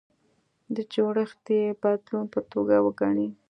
د جوړښتي بدلون په توګه وګڼي.